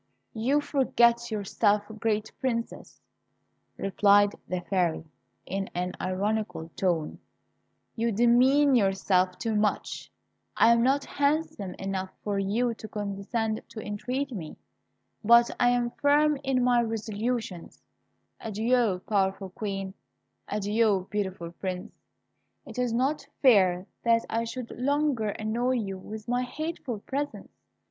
"You forget yourself, great Princess," replied the Fairy, in an ironical tone, "you demean yourself too much. I am not handsome enough for you to condescend to entreat me; but I am firm in my resolutions. Adieu, powerful Queen; adieu, beautiful Prince; it is not fair that I should longer annoy you with my hateful presence.